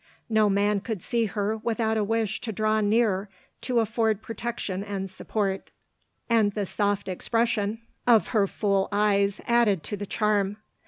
No man could see her without a wish to draw near to afford protection and support ; and the soft expression of her o 3 294 LODORE. full eyes added to the charm.